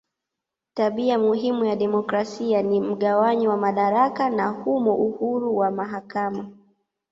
Tabia muhimu ya demokrasia ni mgawanyo wa madaraka na humo uhuru wa mahakama.